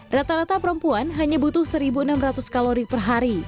rata rata perempuan hanya butuh satu enam ratus kalori per hari